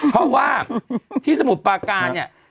เพราะว่าที่สมุทรปาการเนี่ย